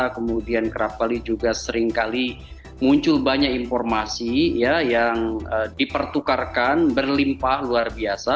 kemudian kerap kali juga seringkali muncul banyak informasi yang dipertukarkan berlimpah luar biasa